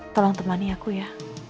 tolong temani aku ya